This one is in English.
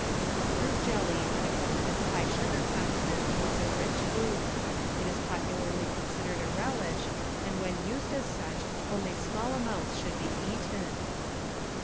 Fruit jelly on account of its high sugar content is a rich food. It is popularly considered a relish and when used as such only small amounts should be eaten.